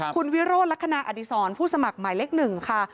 คุณวิโรธลักษณะอดีศรผู้สมัครหมายเลข๑ค่ะ